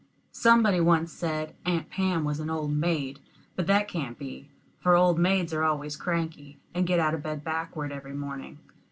Somebody once said Aunt Pam was an old maid; but that can't be, for old maids are always cranky, and get out of bed backward every morning.